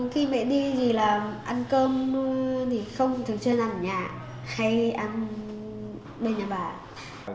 khi mẹ đi làm ăn cơm thì không thường chơi làm ở nhà hay ăn bên nhà bà